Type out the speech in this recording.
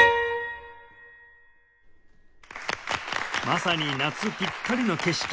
まさに夏ぴったりの景色